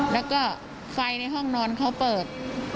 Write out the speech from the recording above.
แล้วก็ไฟในห้องนอนเขาเปิด